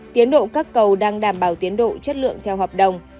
tiến độ các cầu đang đảm bảo tiến độ chất lượng theo hợp đồng